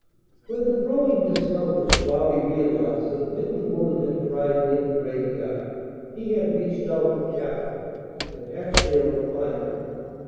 With a growing discomfort Bobby realized that when the woman had cried near the graveyard he had reached out for Katherine and had failed to find her.